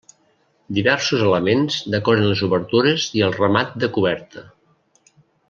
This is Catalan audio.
Diversos elements decoren les obertures i el remat de coberta.